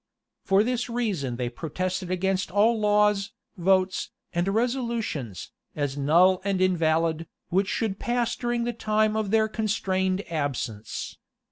For this reason they protested against all laws, votes, and resolutions, as null and invalid, which should pass during the time of their constrained absence.